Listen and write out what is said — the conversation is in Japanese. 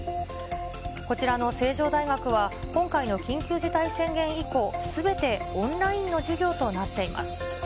こちらの成城大学は、今回の緊急事態宣言以降、すべてオンラインの授業となっています。